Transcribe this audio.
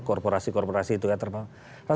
korporasi korporasi itu ya terpengaruh